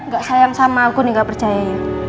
gak sayang sama aku nih gak percaya